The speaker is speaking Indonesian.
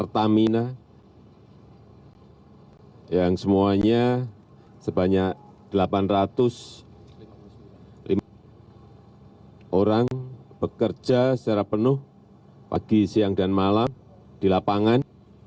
pertamina yang semuanya sebanyak delapan ratus lima orang bekerja secara penuh pagi siang dan malam di lapangan